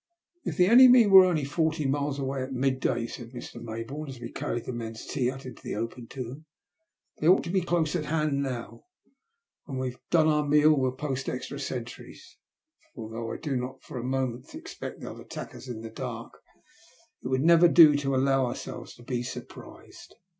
If the enemy were only forty miles away at mid day," said Mr. Maybourne as we carried the men's tea out into the open to them, '' they ought to be close at hand now. When we've done our meal we'll post extra sentries ; for though I do not for a moment 960 THE LUST OP HATE. expect they'll attack as in the dark, it would never do to allow ourselves to be surprised."